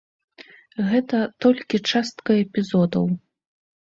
Гэта толькі частка эпізодаў.